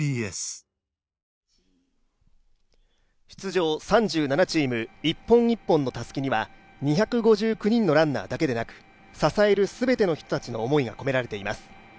出場３７チーム、１本１本のたすきには２５９人のランナーだけでなく、支える全ての人たちの思いが込められています。